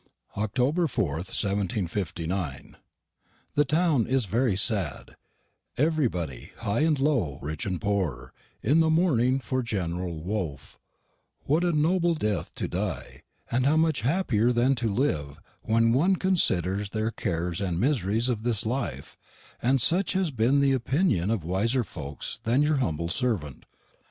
"October 4th, 1759. The toun is very sadd; everry body, high and low, rich and pore, in morning for Gennerel Wolf: wot a nobel deth to die, and how much happier than to live, when one considers the cairs and miseries of this life; and sech has bin the oppinion of wiser fokes than y'r humble servent.